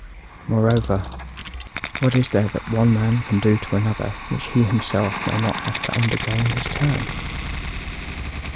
Moreover, what is there that one man can do to another which he himself may not have to undergo in his turn?